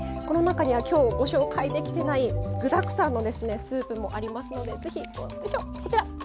この中には今日ご紹介できてない具だくさんのスープもありますのでこちら